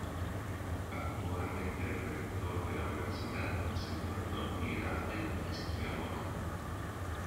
Actualmente el rector de la Universidad es el Dr. Miguel Ángel Schiavone.